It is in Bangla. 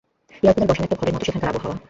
এয়ারকুলার বসানো একটা ঘরের মতো সেখানকার আবহাওয়া।